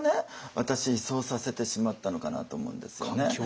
私そうさせてしまったのかなと思うんですよね。